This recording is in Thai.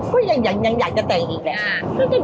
ก็ยังอยากจะแต่งอีกแหละ